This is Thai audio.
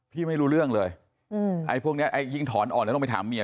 พี่ไม่รู้เรื่องเลยพวกเนี่ยยิ่งถอนอ่อนแล้วต้องไปถามเมีย